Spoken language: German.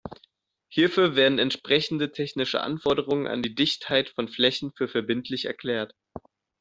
Hierfür werden entsprechende technische Anforderungen an die Dichtheit von Flächen für verbindlich erklärt.